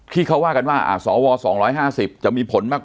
ที่เขวกันว่าสอว๒๕๐บาทจะมีผลมาก